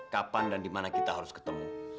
kapan dan dimana kita harus ketemu